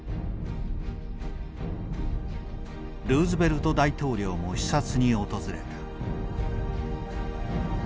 ルーズベルト大統領も視察に訪れた。